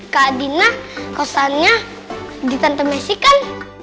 kak dina kosannya ditantumisikan